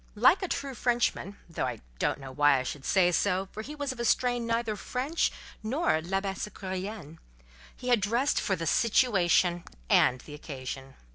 Like a true Frenchman (though I don't know why I should say so, for he was of strain neither French nor Labassecourien), he had dressed for the "situation" and the occasion.